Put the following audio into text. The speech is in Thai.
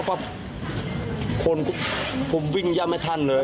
ปั๊บคนก็วิ่งยังไม่ทันเลย